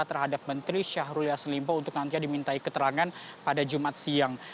terhadap menteri syahrul yassin limpo untuk nantinya dimintai keterangan pada jumat siang